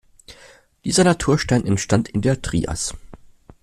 Dieser Naturstein entstand in der Trias.